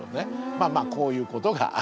まあまあこういうことがあると。